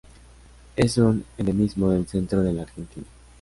Es un endemismo del centro de la Argentina.